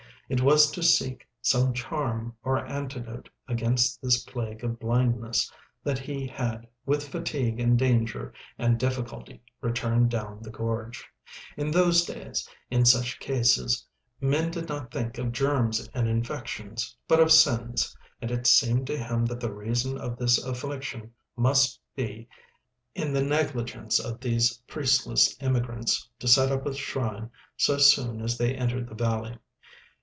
It was to seek some charm or antidote against this plague of blindness that he had with fatigue and danger and difficulty returned down the gorge. In those days, in such cases, men did not think of germs and infections, but of sins, and it seemed to him that the reason of this affliction must lie in the negligence of these priestless immigrants to set up a shrine so soon as they entered the valley.